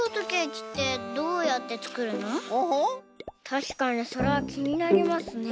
たしかにそれはきになりますね。